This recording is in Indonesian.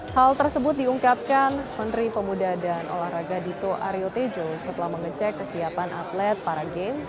hal tersebut diungkapkan menteri pemuda dan olahraga dito aryo tejo setelah mengecek kesiapan atlet para games